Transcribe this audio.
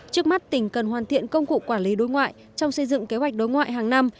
trước mắt tỉnh cần hoàn thiện công cụ quản lý đối ngoại trong xây dựng kế hoạch đối ngoại hàng năm